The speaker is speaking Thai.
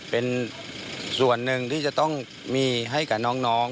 เป็นส่วนหนึ่งที่จะต้องมีให้กับน้อง